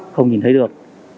không nhìn thấy được